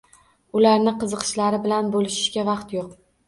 Ularni qiziqishlari bilan boʻlishishga vaqt yo’q.